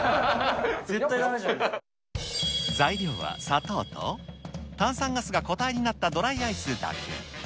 材料は砂糖と、炭酸ガスが固体になったドライアイスだけ。